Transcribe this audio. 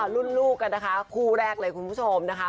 ลูกกันนะคะคู่แรกเลยคุณผู้ชมนะคะ